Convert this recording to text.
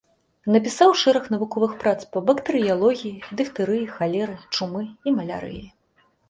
Напісаў шэраг навуковых прац па бактэрыялогіі, дыфтэрыі, халеры, чумы і малярыі.